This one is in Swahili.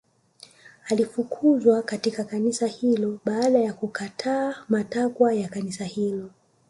Alifukuzwa katika kanisa hilo baada ya kukataa matakwa ya kanisa hilo